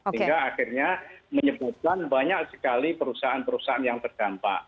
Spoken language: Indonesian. hingga akhirnya menyebutkan banyak sekali perusahaan perusahaan yang terdampak